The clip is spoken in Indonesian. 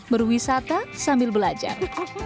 berwisata sambil belajar